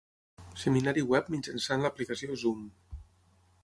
Seminari web mitjançant l'aplicació Zoom.